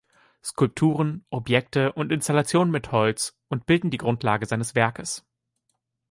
Skulpturen, Objekte und Installationen mit Holz und bilden die Grundlage seines Werkes.